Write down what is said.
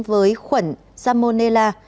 với khuẩn salmonella